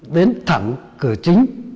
đến thẳng cửa chính